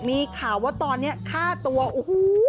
มีข่าวว่าตอนนี้ฆ่าตัวโอ้โห